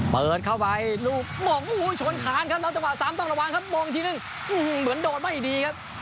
เปิดเข้าวีดสกรุงถูกโมงโอ้โหโชนค้านราวจังหวะ๓ต้องละวานครับโมงอีกทีและเดินเหมือนโดดไปดีครับ